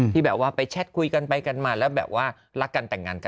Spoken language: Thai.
ที่แบบว่าไปแชทคุยกันไปกันมาแล้วแบบว่ารักกันแต่งงานกัน